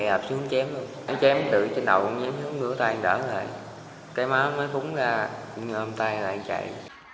chú không chém đâu chém đựng trên đầu chém đứa tay đỡ lại cái má mới phúng ra hông tay lại chạy